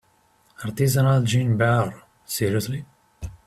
Artisanal gin bar, seriously?!